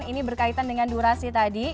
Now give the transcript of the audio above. ini berkaitan dengan durasi tadi